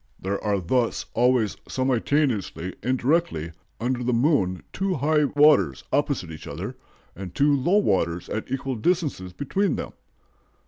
"There are thus always simultaneously and directly under the moon two high waters opposite each other, and two low waters at equal distances between them.